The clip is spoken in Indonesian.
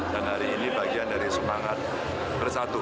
dan hari ini bagian dari semangat bersatu